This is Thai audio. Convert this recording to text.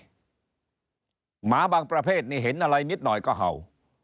หมาบางประเภทนี่เห็นอะไรนิดหน่อยก็เห่า